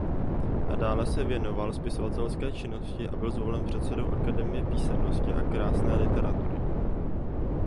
Nadále se věnoval spisovatelské činnosti a byl zvolen předsedou Akademie písemností a krásné literatury.